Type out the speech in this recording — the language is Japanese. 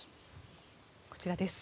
こちらです。